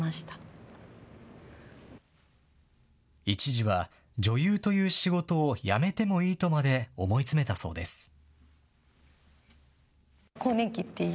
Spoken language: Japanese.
一時は女優という仕事を辞めてもいいとまで思い詰めたそうです。